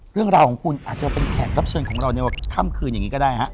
เรื่องราวของคุณอาจจะเป็นแขกรับเชิญของเราในค่ำคืนอย่างนี้ก็ได้ฮะ